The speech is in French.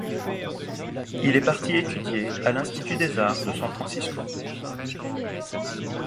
Il est parti étudier à l’institut des Arts de San Francisco.